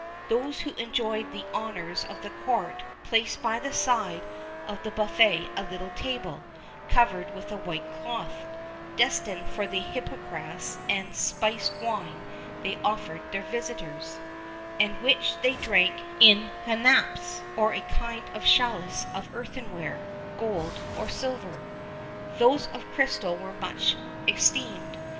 Those who enjoyed the honours of the court placed by the side of the buffet a little table, covered with a white cloth, destined for the hippocrass and spiced wine they offered their visitors,[XXXI 22] and which they drank in hanaps, or a kind of chalice of earthenware, gold, or silver. Those of crystal were much esteemed.